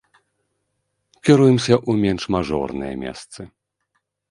Кіруемся ў менш мажорныя месцы.